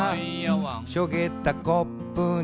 「しょげたコップに」